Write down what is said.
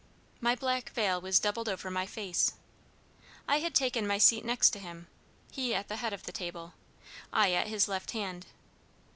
My black veil was doubled over my face. I had taken my seat next to him he at the head of the table, I at his left hand.